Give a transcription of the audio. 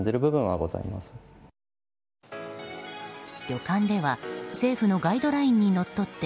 旅館では政府のガイドラインにのっとって